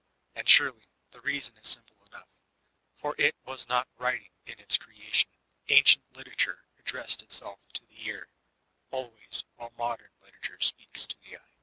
And surely, the reason is simple enough : for U was not wrUmg in its creation; ancient literature addressed itself to the ear, alwajrs, while modem literature speaks to the eye.